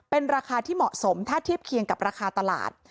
เป็นราคาที่เหมาะสมถ้าเทียบเคียงกับราคาตลาด